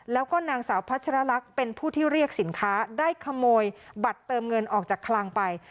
แล้วก็นางสาวพัชรลักษณ์เป็นผู้ที่เรียกสินค้าได้ขโมยบัตรเติมเงินออกจากคลังไป